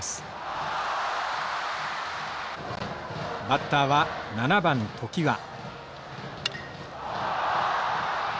バッターは７番常盤。